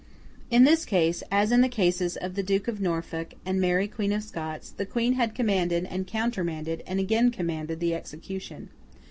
In this case, as in the cases of the Duke of Norfolk and Mary Queen of Scots, the Queen had commanded, and countermanded, and again commanded, the execution.